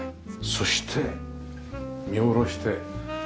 そして見下ろして。